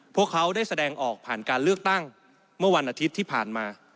พวกเขาได้แสดงออกผ่านการเลือกตั้งเมื่อวันอาทิตย์ที่ผ่านมา